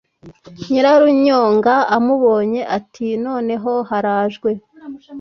Nyirarunyonga amubonye, ati Noneho harajwe